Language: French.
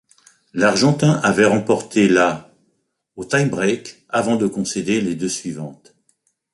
L'Argentin avait remporté la au tie-break avant de concéder les deux suivantes.